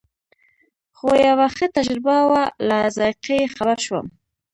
خو یوه ښه تجربه وه له ذایقې یې خبر شوم.